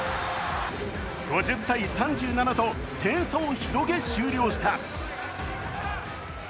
５０−３７と点差を広げ、終了した。